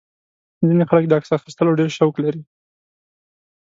ځینې خلک د عکس اخیستلو ډېر شوق لري.